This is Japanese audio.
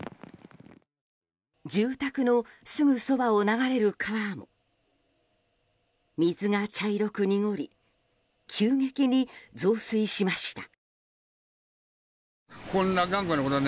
住宅のすぐそばを流れる川も水が茶色く濁り急激に増水しました。